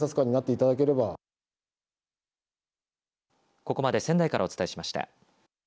ここまで仙台からお伝えしました。